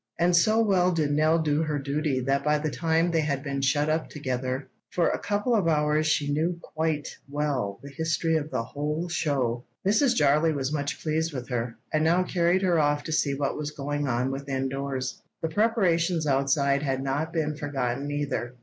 And so well did Nell do her duty that by the time they had been shut up together for a couple of hours she knew quite well the history of the whole show. Mrs. Jarley was much pleased with her, and now carried her off to see what was going on within doors. The preparations outside had not been forgotten either.